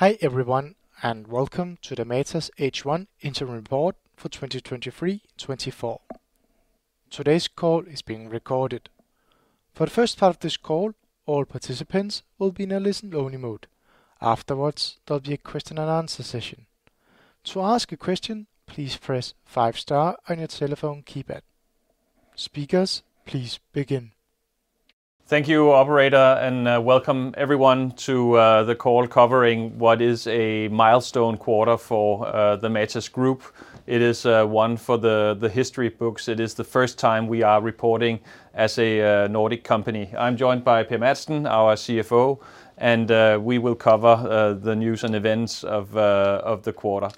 Hi, everyone, and welcome to the Matas H1 Interim Report for 2023, 2024. Today's call is being recorded. For the first part of this call, all participants will be in a listen-only mode. Afterwards, there'll be a question and answer session. To ask a question, please press five star on your telephone keypad. Speakers, please begin. Thank you, operator, and welcome, everyone, to the call covering what is a milestone quarter for the Matas Group. It is one for the history books. It is the first time we are reporting as a Nordic company. I'm joined by Per Madsen, our CFO, and we will cover the news and events of the quarter.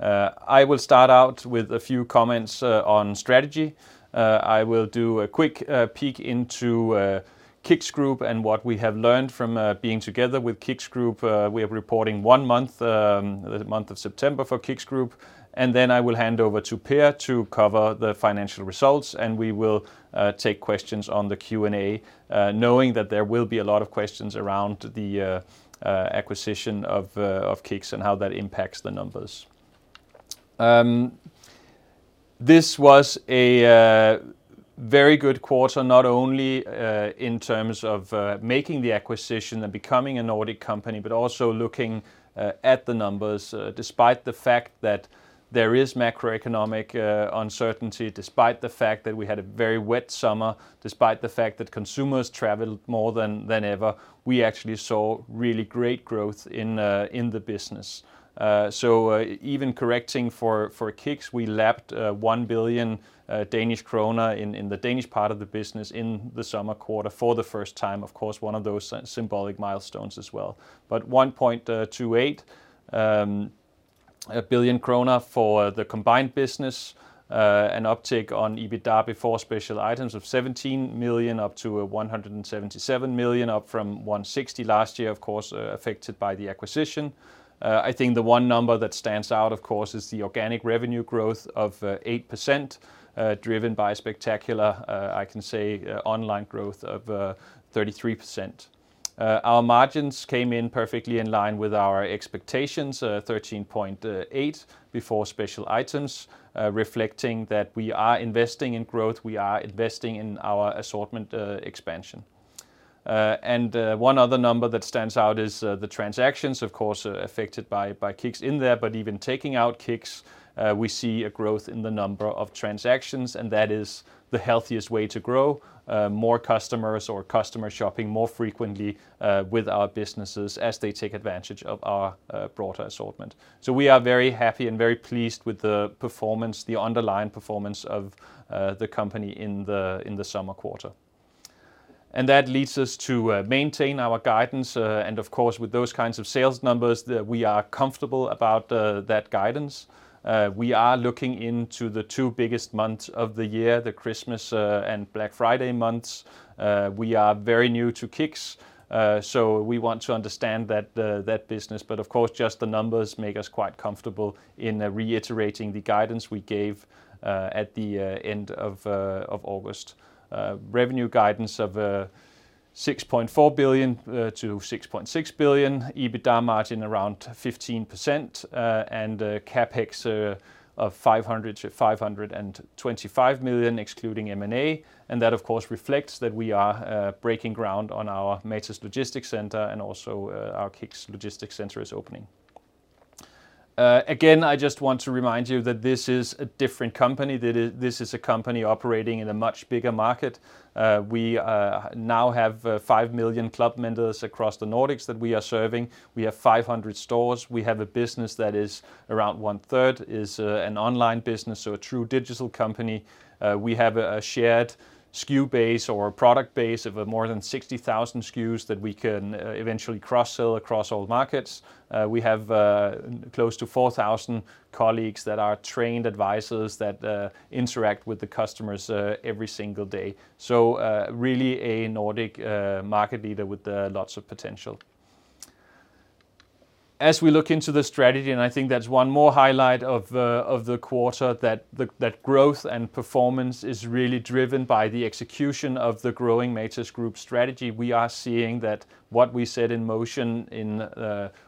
I will start out with a few comments on strategy. I will do a quick peek into KICKS Group and what we have learned from being together with KICKS Group. We are reporting one month, the month of September for KICKS Group, and then I will hand over to Per to cover the financial results, and we will take questions on the Q&A, knowing that there will be a lot of questions around the acquisition of KICKS and how that impacts the numbers. This was a very good quarter, not only in terms of making the acquisition and becoming a Nordic company, but also looking at the numbers. Despite the fact that there is macroeconomic uncertainty, despite the fact that we had a very wet summer, despite the fact that consumers traveled more than ever, we actually saw really great growth in the business. So, even correcting for, for KICKS, we lapped, one billion Danish krona in, in the Danish part of the business in the summer quarter for the first time. Of course, one of those symbolic milestones as well. But 1.28 billion krone for the combined business, an uptick on EBITDA before special items of 17 million, up to, 177 million, up from 160 million last year, of course, affected by the acquisition. I think the one number that stands out, of course, is the organic revenue growth of, 8%, driven by spectacular, I can say, online growth of, 33%. Our margins came in perfectly in line with our expectations, 13.8% before special items, reflecting that we are investing in growth, we are investing in our assortment, expansion. And, one other number that stands out is, the transactions, of course, affected by KICKS in there, but even taking out KICKS, we see a growth in the number of transactions, and that is the healthiest way to grow, more customers or customers shopping more frequently, with our businesses as they take advantage of our, broader assortment. So we are very happy and very pleased with the performance, the underlying performance of, the company in the, in the summer quarter. And that leads us to, maintain our guidance, and of course, with those kinds of sales numbers, the... We are comfortable about that guidance. We are looking into the two biggest months of the year, the Christmas and Black Friday months. We are very new to KICKS, so we want to understand that business, but of course, just the numbers make us quite comfortable in reiterating the guidance we gave at the end of August. Revenue guidance of 6.4 billion-6.6 billion, EBITDA margin around 15%, and CapEx of 500 million-525 million, excluding M&A. And that, of course, reflects that we are breaking ground on our Matas Logistics Center, and also our KICKS logistics center is opening. Again, I just want to remind you that this is a different company, that this is a company operating in a much bigger market. We now have 5 million club members across the Nordics that we are serving. We have 500 stores. We have a business that is around one third an online business, so a true digital company. We have a shared SKU base or product base of more than 60,000 SKUs that we can eventually cross-sell across all markets. We have close to 4,000 colleagues that are trained advisors that interact with the customers every single day. So, really a Nordic market leader with lots of potential. As we look into the strategy, and I think that's one more highlight of the quarter, that growth and performance is really driven by the execution of the growing Matas Group strategy. We are seeing that what we set in motion in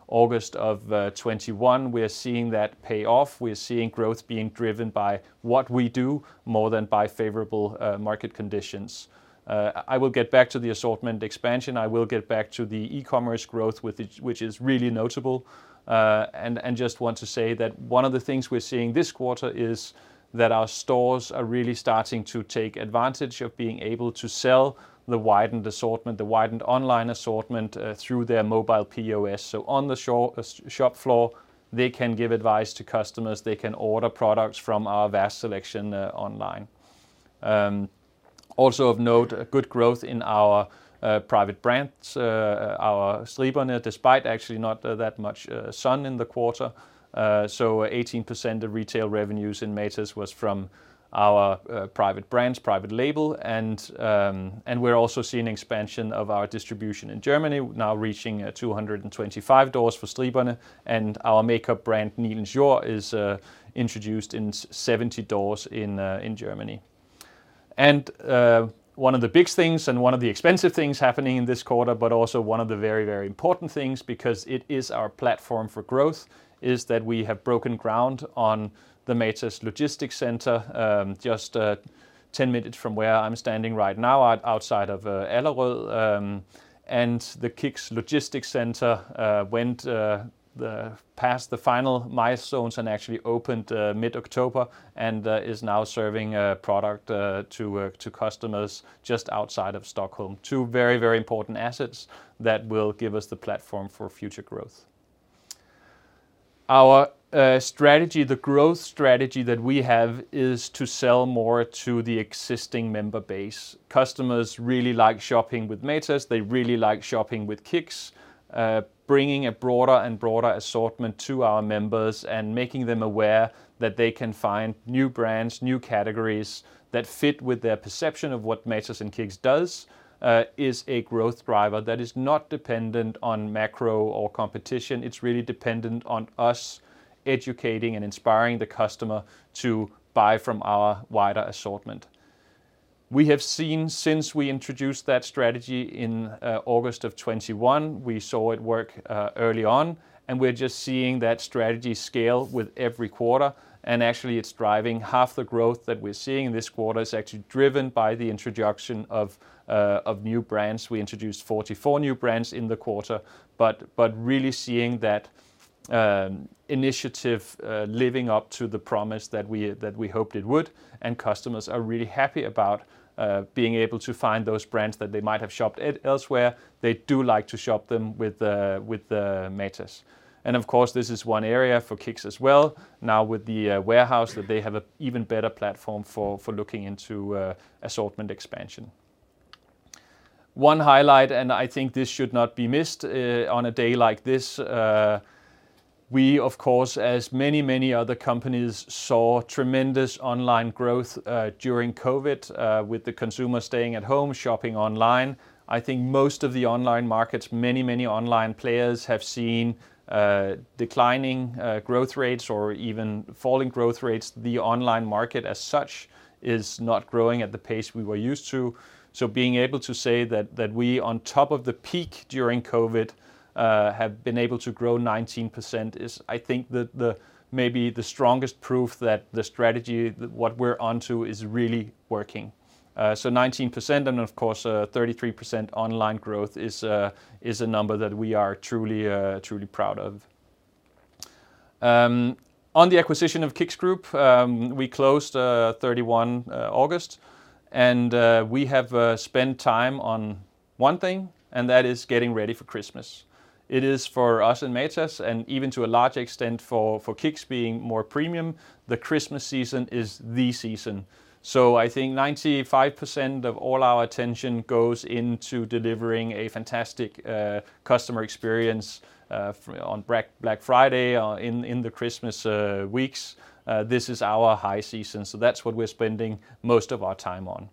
August of 2021, we are seeing that pay off. We are seeing growth being driven by what we do more than by favorable market conditions. I will get back to the assortment expansion. I will get back to the e-commerce growth, which is really notable, and just want to say that one of the things we're seeing this quarter is that our stores are really starting to take advantage of being able to sell the widened assortment, the widened online assortment, through their mobile POS. So on the store shop floor, they can give advice to customers. They can order products from our vast selection, online. Also of note, good growth in our private brands, our Striberne, despite actually not that much sun in the quarter. So 18% of retail revenues in Matas was from our private brands, private label, and we're also seeing expansion of our distribution in Germany, now reaching 225 stores for Striberne, and our makeup brand, Nilens Jord, is introduced in 70 stores in Germany. One of the big things and one of the expensive things happening in this quarter, but also one of the very, very important things, because it is our platform for growth, is that we have broken ground on the Matas logistics center just 10 minutes from where I'm standing right now, outside of Allerød. And the KICKS logistics center went past the final milestones and actually opened mid-October, and is now serving product to customers just outside of Stockholm. Two very, very important assets that will give us the platform for future growth. Our strategy, the growth strategy that we have, is to sell more to the existing member base. Customers really like shopping with Matas. They really like shopping with KICKS. Bringing a broader and broader assortment to our members and making them aware that they can find new brands, new categories, that fit with their perception of what Matas and KICKS does, is a growth driver that is not dependent on macro or competition. It's really dependent on us educating and inspiring the customer to buy from our wider assortment. We have seen, since we introduced that strategy in August of 2021, we saw it work early on, and we're just seeing that strategy scale with every quarter, and actually it's driving... Half the growth that we're seeing in this quarter is actually driven by the introduction of new brands. We introduced 44 new brands in the quarter, but really seeing that initiative living up to the promise that we hoped it would, and customers are really happy about being able to find those brands that they might have shopped at elsewhere. They do like to shop them with the Matas. And of course, this is one area for KICKS as well. Now, with the warehouse, that they have an even better platform for looking into assortment expansion. One highlight, and I think this should not be missed, on a day like this, we, of course, as many, many other companies, saw tremendous online growth during COVID with the consumer staying at home, shopping online. I think most of the online markets, many, many online players, have seen, declining, growth rates or even falling growth rates. The online market as such, is not growing at the pace we were used to. So being able to say that, that we, on top of the peak during COVID, have been able to grow 19% is, I think, the, the maybe the strongest proof that the strategy, what we're onto, is really working. So 19% and, of course, 33% online growth is a, is a number that we are truly, truly proud of. On the acquisition of KICKS Group, we closed, 31st August, and, we have, spent time on one thing, and that is getting ready for Christmas. It is for us in Matas, and even to a large extent for, for KICKS being more premium, the Christmas season is the season. So I think 95% of all our attention goes into delivering a fantastic customer experience on Black Friday or in the Christmas weeks. This is our high season, so that's what we're spending most of our time on.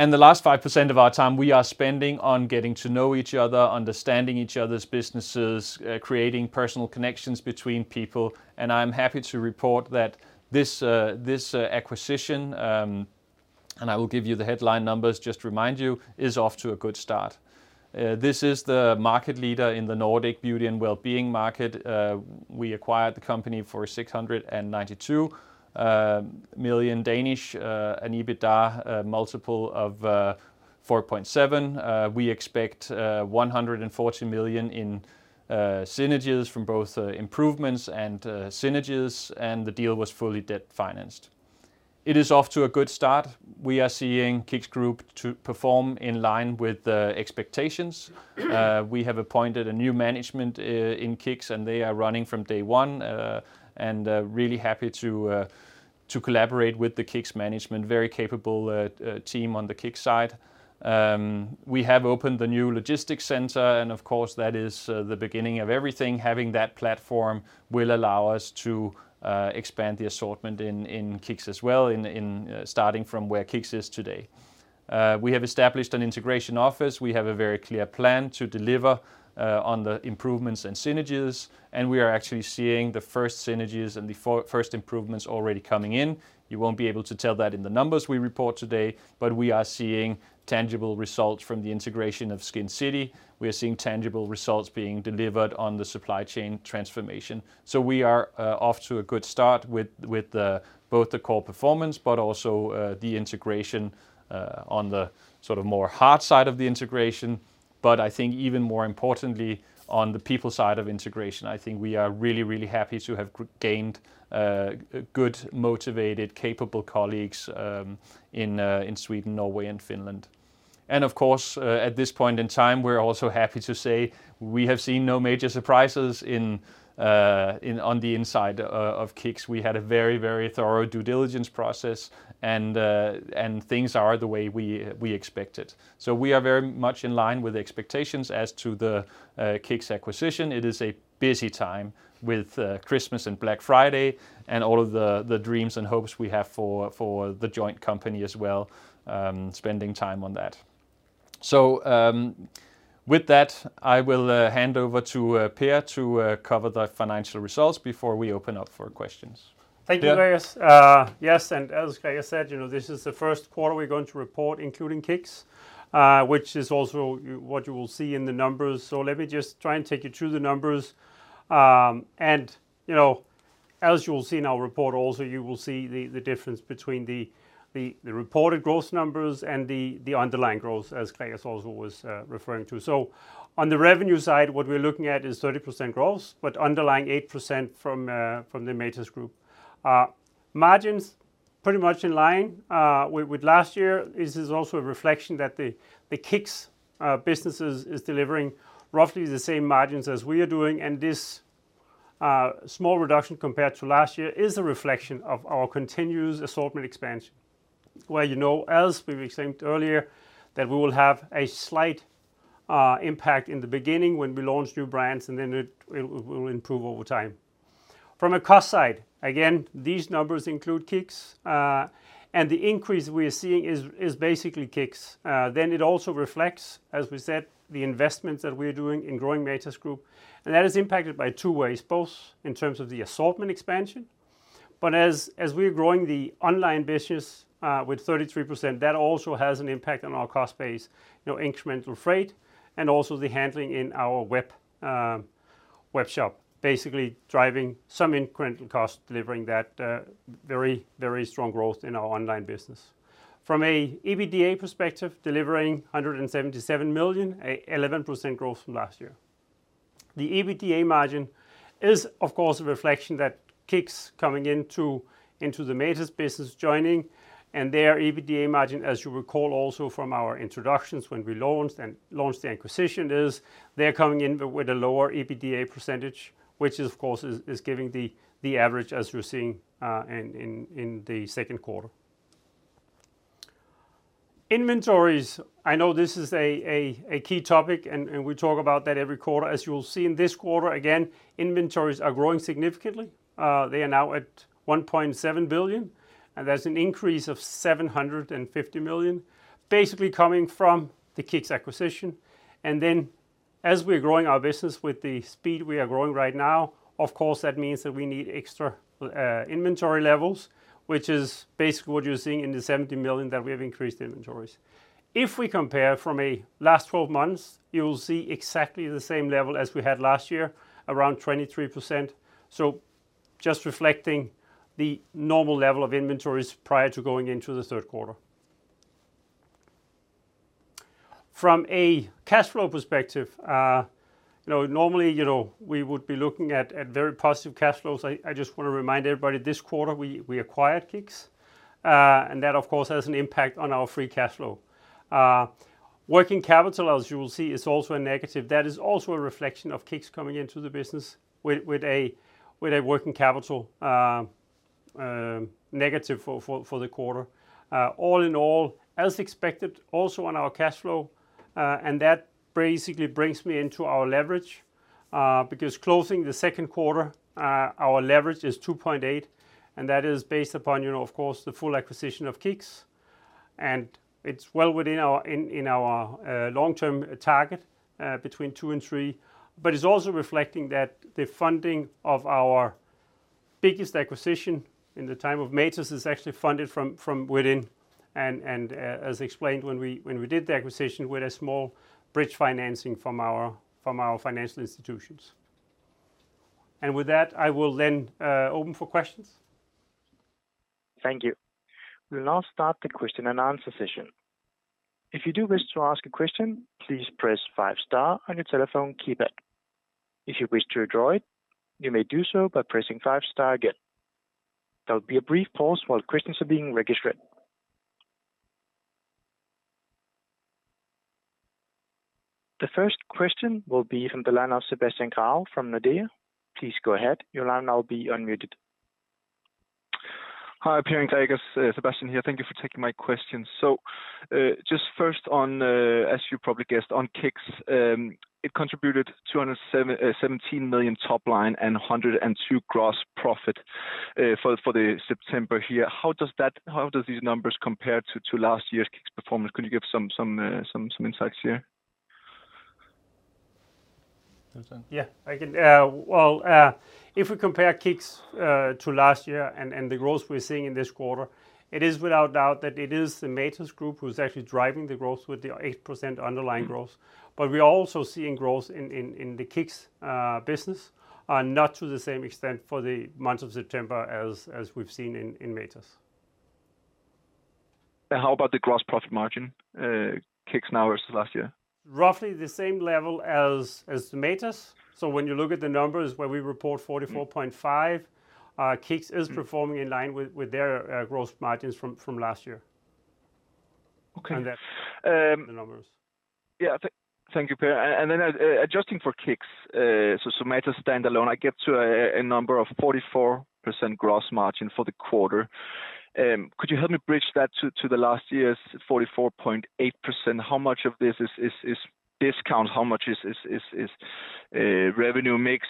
And the last 5% of our time we are spending on getting to know each other, understanding each other's businesses, creating personal connections between people, and I'm happy to report that this acquisition, and I will give you the headline numbers, just to remind you, is off to a good start. This is the market leader in the Nordic beauty and wellbeing market. We acquired the company for 692 million, an EBITDA multiple of 4.7. We expect 140 million in synergies from both improvements and synergies, and the deal was fully debt-financed. It is off to a good start. We are seeing KICKS Group to perform in line with the expectations. We have appointed a new management in KICKS, and they are running from day one, and really happy to collaborate with the KICKS management. Very capable team on the KICKS side. We have opened the new logistics center, and of course, that is the beginning of everything. Having that platform will allow us to expand the assortment in KICKS as well, in starting from where KICKS is today. We have established an integration office. We have a very clear plan to deliver on the improvements and synergies, and we are actually seeing the first synergies and the first improvements already coming in. You won't be able to tell that in the numbers we report today, but we are seeing tangible results from the integration of Skincity. We are seeing tangible results being delivered on the supply chain transformation. So we are off to a good start with both the core performance, but also the integration on the sort of more hard side of the integration. But I think even more importantly, on the people side of integration, I think we are really, really happy to have gained good, motivated, capable colleagues in Sweden, Norway, and Finland. Of course, at this point in time, we're also happy to say we have seen no major surprises in on the inside of KICKS. We had a very, very thorough due diligence process, and things are the way we expected. So we are very much in line with the expectations as to the KICKS acquisition. It is a busy time with Christmas and Black Friday, and all of the dreams and hopes we have for the joint company as well, spending time on that. So,... With that, I will hand over to Per to cover the financial results before we open up for questions. Thank you, Gregers. Yes, and as Gregers said, you know, this is the first quarter we're going to report, including KICKS, which is also what you will see in the numbers. So let me just try and take you through the numbers. And you know, as you will see in our report also, you will see the difference between the reported gross numbers and the underlying gross, as Gregers also was referring to. So on the revenue side, what we're looking at is 30% growth, but underlying 8% from the Matas Group. Margins pretty much in line with last year. This is also a reflection that the KICKS business is delivering roughly the same margins as we are doing, and this small reduction compared to last year is a reflection of our continuous assortment expansion, where you know as we explained earlier, that we will have a slight impact in the beginning when we launch new brands, and then it will improve over time. From a cost side, again, these numbers include KICKS, and the increase we are seeing is basically KICKS. Then it also reflects, as we said, the investments that we're doing in growing Matas Group, and that is impacted by two ways, both in terms of the assortment expansion, but as we're growing the online business with 33%, that also has an impact on our cost base, you know, incremental freight and also the handling in our web shop, basically driving some incremental cost, delivering that very, very strong growth in our online business. From an EBITDA perspective, delivering 177 million, an 11% growth from last year. The EBITDA margin is, of course, a reflection that KICKS coming into the Matas business, joining, and their EBITDA margin, as you recall, also from our introductions when we launched the acquisition, is they're coming in with a lower EBITDA percentage, which is, of course, giving the average, as you're seeing, in the second quarter. Inventories, I know this is a key topic, and we talk about that every quarter. As you will see in this quarter, again, inventories are growing significantly. They are now at 1.7 billion, and that's an increase of 750 million, basically coming from the KICKS acquisition. As we're growing our business with the speed we are growing right now, of course, that means that we need extra inventory levels, which is basically what you're seeing in the 70 million that we have increased inventories. If we compare from a last twelve months, you will see exactly the same level as we had last year, around 23%. So just reflecting the normal level of inventories prior to going into the third quarter. From a cash flow perspective, you know, normally, you know, we would be looking at very positive cash flows. I just want to remind everybody, this quarter, we acquired KICKS, and that of course has an impact on our free cash flow. Working capital, as you will see, is also a negative. That is also a reflection of KICKS coming into the business with a working capital negative for the quarter. All in all, as expected, also on our cash flow, and that basically brings me into our leverage, because closing the second quarter, our leverage is 2.8, and that is based upon, you know, of course, the full acquisition of KICKS, and it's well within our long-term target between two and three. But it's also reflecting that the funding of our biggest acquisition in the time of Matas is actually funded from within, and as explained when we did the acquisition, with a small bridge financing from our financial institutions. With that, I will then open for questions. Thank you. We'll now start the question and answer session. If you do wish to ask a question, please press five star on your telephone keypad. If you wish to withdraw it, you may do so by pressing five star again. There will be a brief pause while questions are being registered. The first question will be from the line of Sebastian Grahl from Nordea. Please go ahead. Your line now be unmuted. Hi, Per and Gregers, Sebastian here. Thank you for taking my question. So, just first on, as you probably guessed, on Kicks, it contributed 217 million top line and 102 million gross profit, for the September year. How does that. How does these numbers compare to last year's Kicks performance? Could you give some insights here? Yeah, I can. Well, if we compare KICKS to last year and the growth we're seeing in this quarter, it is without doubt that it is the Matas Group who's actually driving the growth with the 8% underlying growth. But we are also seeing growth in the KICKS business, not to the same extent for the month of September as we've seen in Matas. How about the gross profit margin, KICKS now versus last year? Roughly the same level as Matas. So when you look at the numbers, where we report 44.5, KICKS is performing in line with their growth margins from last year. Okay. That, the numbers. Yeah. Thank you, Per. And then, adjusting for KICKS, so Matas standalone, I get to a number of 44% gross margin for the quarter. Could you help me bridge that to last year's 44.8%? How much of this is discount, how much is revenue mix,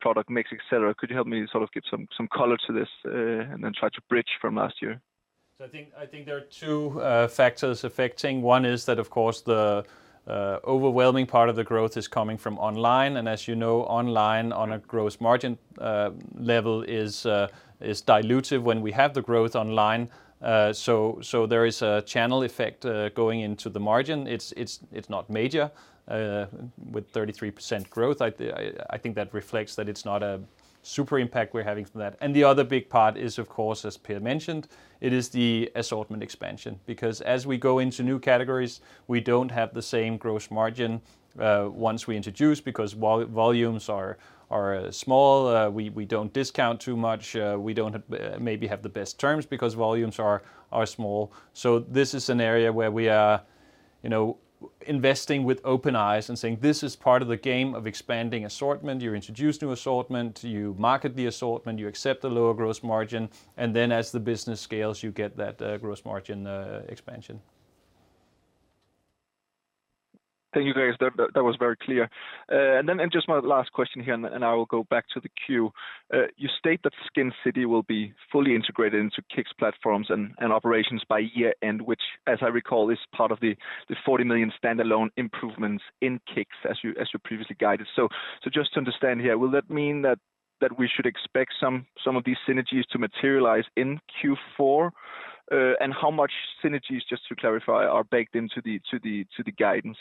product mix, et cetera? Could you help me sort of give some color to this, and then try to bridge from last year? So I think there are two factors affecting. One is that, of course, the overwhelming part of the growth is coming from online, and as you know, online, on a gross margin level, is dilutive when we have the growth online. So there is a channel effect going into the margin. It's not major with 33% growth. I think that reflects that it's not a super impact we're having from that. And the other big part is, of course, as Per mentioned, it is the assortment expansion, because as we go into new categories, we don't have the same gross margin once we introduce, because volumes are small, we don't discount too much. We don't maybe have the best terms because volumes are small. So this is an area where we are, you know, investing with open eyes and saying, "This is part of the game of expanding assortment." You introduce new assortment, you market the assortment, you accept the lower gross margin, and then as the business scales, you get that gross margin expansion. Thank you, guys. That was very clear. Just my last question here, and I will go back to the queue. You state that Skincity will be fully integrated into KICKS platforms and operations by year-end, which, as I recall, is part of the 40 million standalone improvements in KICKS, as you previously guided. So just to understand here, will that mean that we should expect some of these synergies to materialize in Q4? And how much synergies, just to clarify, are baked into the guidance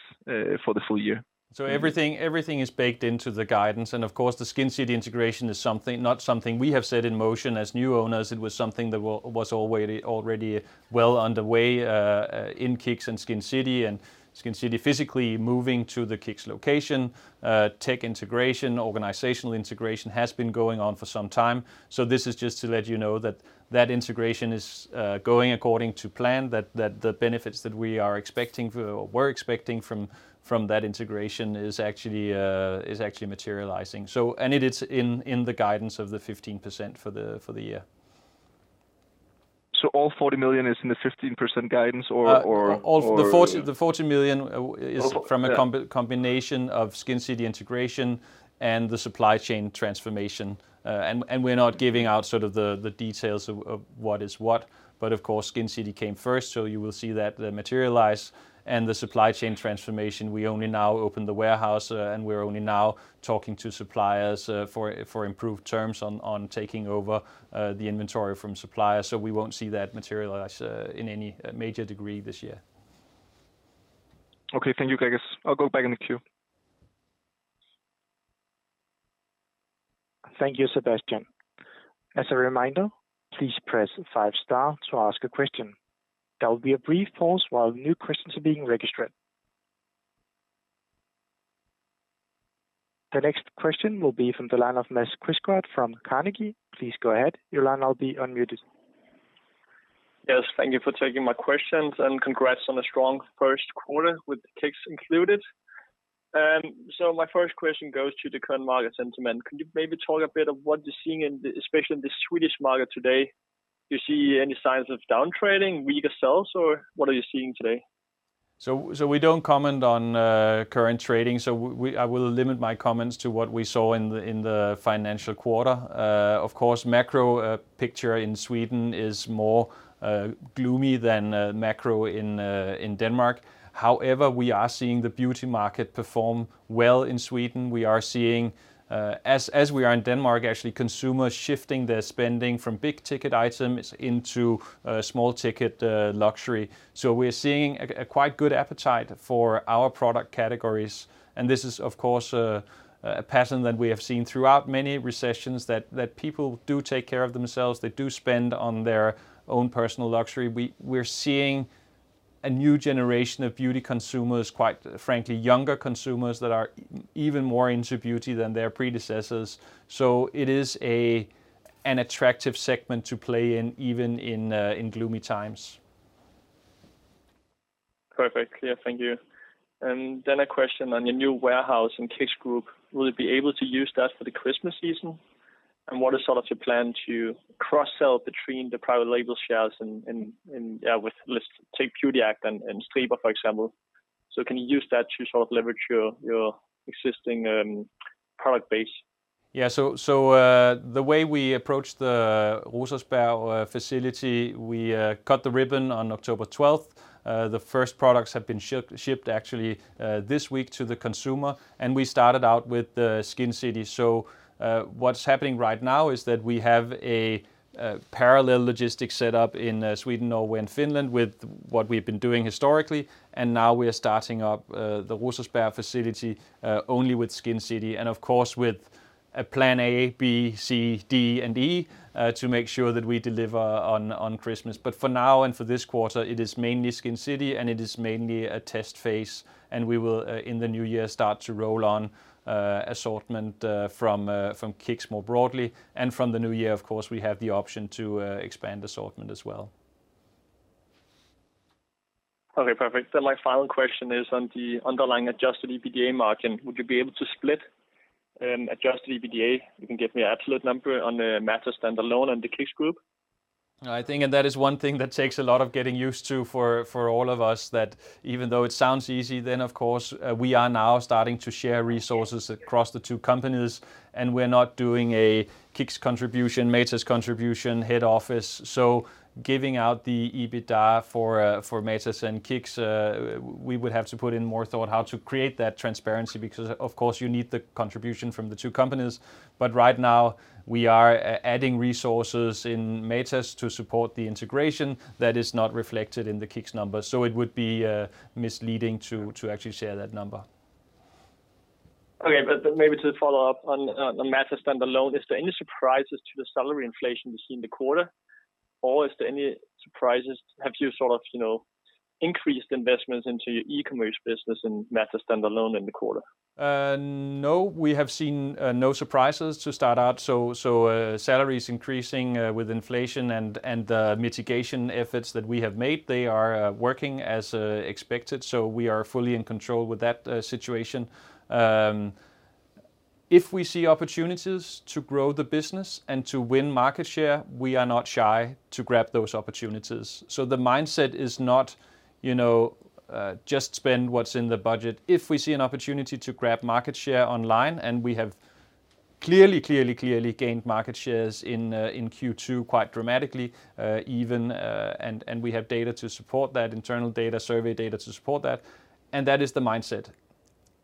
for the full year? Everything, everything is baked into the guidance. And of course, the Skincity integration is something, not something we have set in motion as new owners. It was something that was already, already well underway in KICKS and Skincity. And Skincity, physically moving to the KICKS location, tech integration, organizational integration has been going on for some time. So this is just to let you know that that integration is going according to plan. That, that the benefits that we are expecting, we're expecting from, from that integration is actually, is actually materializing. So, and it is in, in the guidance of the 15% for the, for the year. So all 40 million is in the 15% guidance or? All the 40, the 40 million is from a combination of Skincity integration and the supply chain transformation. And we're not giving out sort of the details of what is what, but of course, Skincity came first, so you will see that materialize. And the supply chain transformation, we only now opened the warehouse, and we're only now talking to suppliers, for improved terms on taking over the inventory from suppliers. So we won't see that materialize in any major degree this year. Okay. Thank you, Gregers. I'll go back in the queue. Thank you, Sebastian. As a reminder, please press 5 star to ask a question. There will be a brief pause while new questions are being registered. The next question will be from the line of Ms. Mads Quistgaard from Carnegie. Please go ahead. Your line will be unmuted. Yes, thank you for taking my questions, and congrats on a strong first quarter with KICKS included. So, my first question goes to the current market sentiment. Could you maybe talk a bit of what you're seeing in the... especially in the Swedish market today? Do you see any signs of downtrading, weaker sales, or what are you seeing today? So, we don't comment on current trading, so I will limit my comments to what we saw in the financial quarter. Of course, macro picture in Sweden is more gloomy than macro in Denmark. However, we are seeing the beauty market perform well in Sweden. We are seeing, as we are in Denmark, actually, consumers shifting their spending from big-ticket items into small-ticket luxury. So we're seeing a quite good appetite for our product categories, and this is, of course, a pattern that we have seen throughout many recessions, that people do take care of themselves, they do spend on their own personal luxury. We're seeing a new generation of beauty consumers, quite frankly, younger consumers that are even more into beauty than their predecessors. It is an attractive segment to play in, even in gloomy times. Perfect. Yeah, thank you. And then a question on your new warehouse in KICKS Group. Will you be able to use that for the Christmas season? And what is sort of your plan to cross-sell between the private label shares and with, let's take BeautyAct and Stripes, for example. So can you use that to sort of leverage your existing product base? Yeah, so the way we approached the Rosersberg facility, we cut the ribbon on October twelfth. The first products have been shipped actually this week to the consumer, and we started out with the Skincity. So what's happening right now is that we have a parallel logistics set up in Sweden, Norway, and Finland with what we've been doing historically, and now we are starting up the Rosersberg facility only with Skincity, and of course, with a plan A, B, C, D, and E to make sure that we deliver on Christmas. But for now, and for this quarter, it is mainly Skincity, and it is mainly a test phase, and we will, in the new year, start to roll on assortment from KICKS more broadly, and from the new year, of course, we have the option to expand the assortment as well. Okay, perfect. Then my final question is on the underlying adjusted EBITDA margin. Would you be able to split adjusted EBITDA? You can give me absolute number on the Matas standalone and the KICKS Group. I think, and that is one thing that takes a lot of getting used to for, for all of us, that even though it sounds easy, then of course, we are now starting to share resources across the two companies, and we're not doing a KICKS contribution, Matas contribution, head office. So giving out the EBITDA for, for Matas and KICKS, we would have to put in more thought how to create that transparency, because of course, you need the contribution from the two companies, but right now we are adding resources in Matas to support the integration that is not reflected in the KICKS numbers. So it would be, misleading to, to actually share that number. Okay. But maybe to follow up on the Matas standalone, is there any surprises to the salary inflation we see in the quarter? Or is there any surprises, have you sort of, you know, increased investments into your e-commerce business in Matas standalone in the quarter? No, we have seen no surprises to start out. So, salaries increasing with inflation and mitigation efforts that we have made, they are working as expected, so we are fully in control with that situation. If we see opportunities to grow the business and to win market share, we are not shy to grab those opportunities. So the mindset is not, you know, just spend what's in the budget. If we see an opportunity to grab market share online, and we have clearly, clearly, clearly gained market shares in Q2, quite dramatically, even. And we have data to support that, internal data, survey data to support that, and that is the mindset.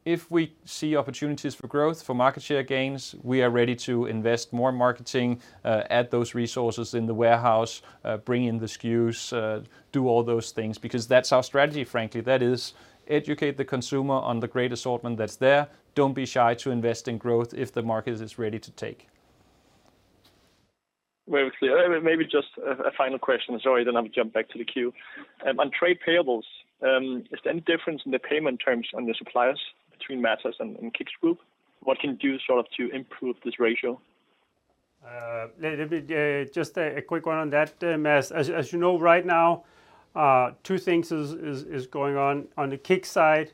If we see opportunities for growth, for market share gains, we are ready to invest more in marketing, add those resources in the warehouse, bring in the SKUs, do all those things, because that's our strategy, frankly. That is, educate the consumer on the great assortment that's there. Don't be shy to invest in growth if the market is ready to take. Very clear. Maybe just a final question. Sorry, then I'll jump back to the queue. On trade payables, is there any difference in the payment terms on the suppliers between Matas and KICKS Group? What can you do sort of to improve this ratio? Let me just a quick one on that, Mads. As you know, right now, two things is going on. On the KICKS side,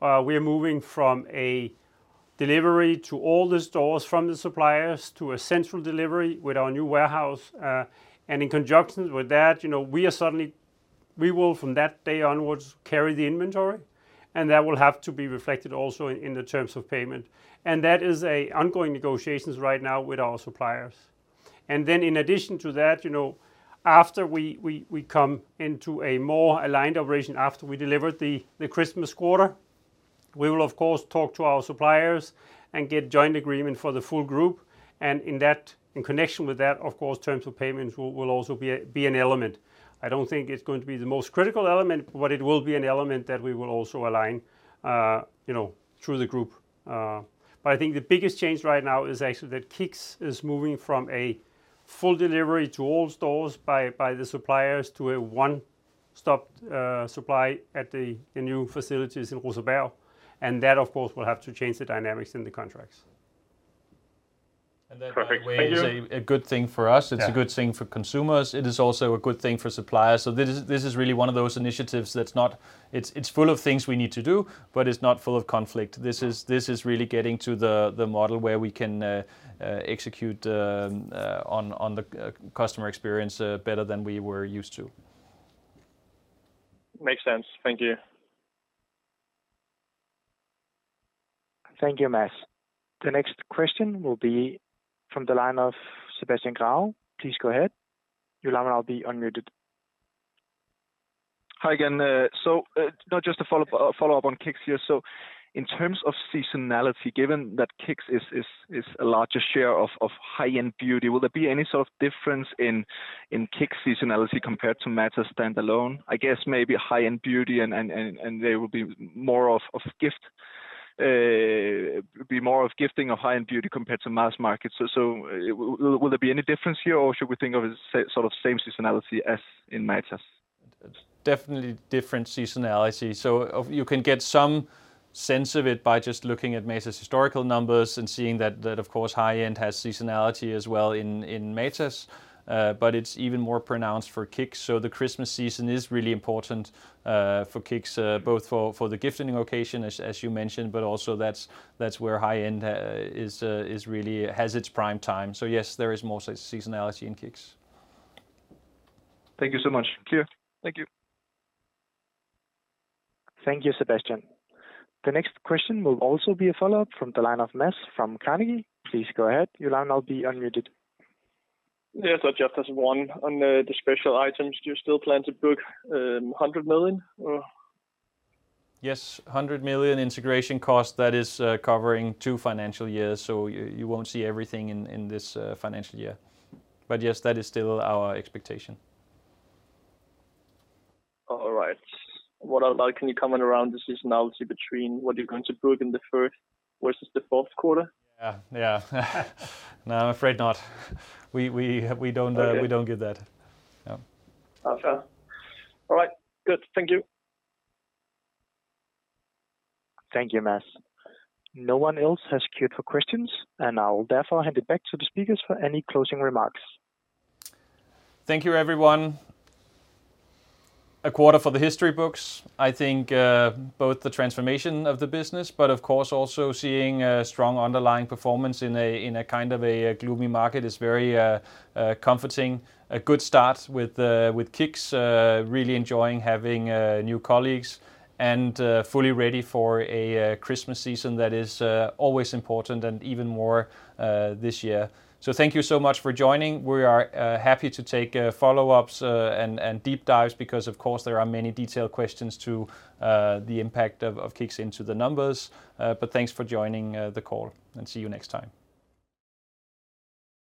we are moving from a delivery to all the stores from the suppliers to a central delivery with our new warehouse. And in conjunction with that, you know, we will, from that day onwards, carry the inventory, and that will have to be reflected also in the terms of payment. And that is an ongoing negotiations right now with our suppliers. And then in addition to that, you know, after we come into a more aligned operation, after we deliver the Christmas quarter, we will of course talk to our suppliers and get joint agreement for the full group, and in that, in connection with that, of course, terms of payments will also be an element. I don't think it's going to be the most critical element, but it will be an element that we will also align, you know, through the group. But I think the biggest change right now is actually that KICKS is moving from a full delivery to all stores by the suppliers, to a one-stop supply at the new facilities in Rosersberg. And that, of course, will have to change the dynamics in the contracts. And then- Perfect. Thank you. a good thing for us. Yeah. It's a good thing for consumers. It is also a good thing for suppliers. So this is, this is really one of those initiatives that's not... It's, it's full of things we need to do, but it's not full of conflict. This is, this is really getting to the, the model where we can execute on the customer experience better than we were used to. Makes sense. Thank you. Thank you, Mads. The next question will be from the line of Sebastian Grahl. Please go ahead. Your line will now be unmuted. Hi again. So, just a follow-up on KICKS here. So in terms of seasonality, given that KICKS is a larger share of high-end beauty, will there be any sort of difference in KICKS seasonality compared to Matas standalone? I guess maybe high-end beauty and there will be more of gifting of high-end beauty compared to mass market. So will there be any difference here, or should we think of it as sort of same seasonality as in Matas? Definitely different seasonality. You can get some sense of it by just looking at Matas' historical numbers and seeing that, of course, high-end has seasonality as well in Matas, but it's even more pronounced for KICKS. So the Christmas season is really important for KICKS, both for the gifting occasion, as you mentioned, but also that's where high-end really has its prime time. So yes, there is more seasonality in KICKS. Thank you so much. Clear. Thank you. Thank you, Sebastian. The next question will also be a follow-up from the line of Mads from Carnegie. Please go ahead. Your line now be unmuted. Yes, so just as one on the special items, do you still plan to book 100 million, or? Yes, 100 million integration cost, that is, covering two financial years, so you won't see everything in this financial year. But yes, that is still our expectation. All right. What about can you comment around the seasonality between what you're going to book in the first versus the fourth quarter? Yeah. Yeah. No, I'm afraid not. We don't, Okay We don't give that. Yeah. Okay. All right, good. Thank you. Thank you, Mads. No one else has queued for questions, and I'll therefore hand it back to the speakers for any closing remarks. Thank you, everyone. A quarter for the history books, I think, both the transformation of the business, but of course, also seeing a strong underlying performance in a kind of a gloomy market is very comforting. A good start with KICKS, really enjoying having new colleagues, and fully ready for a Christmas season that is always important and even more this year. So thank you so much for joining. We are happy to take follow-ups and deep dives, because of course, there are many detailed questions to the impact of KICKS into the numbers. But thanks for joining the call, and see you next time.